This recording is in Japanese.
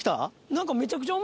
何か。